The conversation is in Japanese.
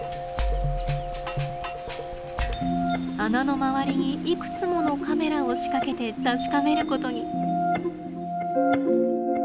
穴の周りにいくつものカメラを仕掛けて確かめることに。